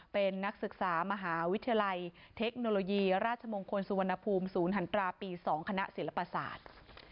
เป็นนักศึกษามหาวิทยาลัยเทคโนโลยีราชมงคลสุวรรณภูมิศูนย์หันตราปี๒คณะศิลปศาสตร์